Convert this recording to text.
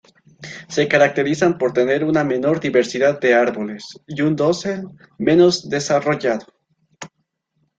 Se caracterizan por tener una menor diversidad de árboles y un dosel menos desarrollado.